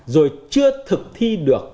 rồi chưa thực thi được